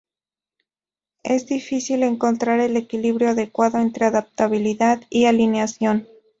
Es difícil encontrar el equilibrio adecuado entre adaptabilidad y alineación.